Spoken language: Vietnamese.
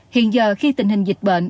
hiện giờ khi tình hình dịch bệnh